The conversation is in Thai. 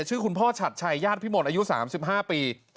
ชื่อคุณพ่อฉัดชัยญาติพิมลอายุ๓๕ปี